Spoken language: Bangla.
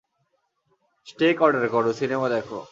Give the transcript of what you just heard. স্টেক অর্ডার করো, সিনেমা দেখো।